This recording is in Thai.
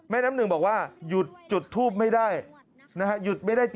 แม่น้ำหนึ่งบอกว่าหยุดจุดทูปไม่ได้นะฮะ